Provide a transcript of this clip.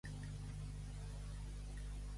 Sempre ix a repicar matines.